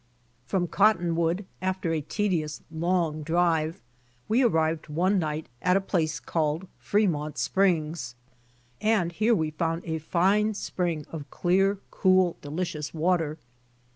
From Cottonwood after a tedious, long drive, we arrived one night at a place called Fremont springs, and here we found a fine spring of clear, cool, delicious water.